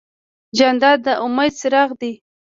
جانداد د امید څراغ دی.